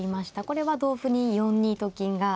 これは同歩に４二と金が。